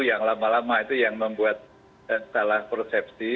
yang lama lama itu yang membuat salah persepsi